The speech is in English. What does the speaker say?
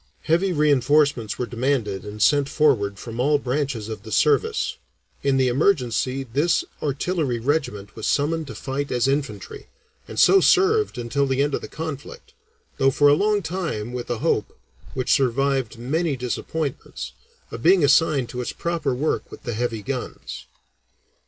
Heavy reinforcements were demanded and sent forward from all branches of the service; in the emergency this artillery regiment was summoned to fight as infantry, and so served until the end of the conflict, though for a long time with a hope, which survived many disappointments, of being assigned to its proper work with the heavy guns.